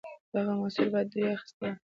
دغه محصول باید دوی اخیستی وای.